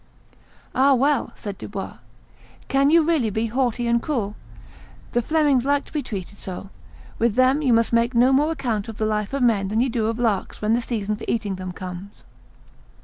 "Ah! well!" said Dubois, "can you really be haughty and cruel? The Flemings like to be treated so; with them you must make no more account of the life of men than you do of larks when the season for eating them comes."